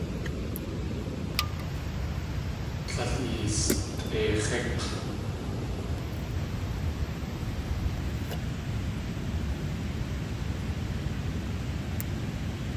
Líl eestʼeix̲ík̲!